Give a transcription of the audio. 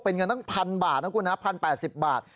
เป็นเงินตั้ง๑๐๐บาทนะคุณนะ๑๐๘๐บาท